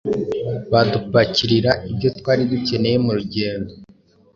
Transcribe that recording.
badupakirira ibyo twari dukeneye mu rugendo.”